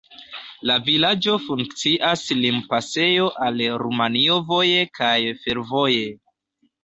La vilaĝo funkcias limpasejo al Rumanio voje kaj fervoje.